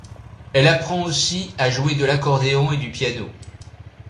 Elle apprend aussi à jouer de l'accordéon et du piano.